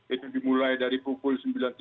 itu dimulai dari pukul sembilan tiga puluh